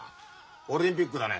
オリンピックだね。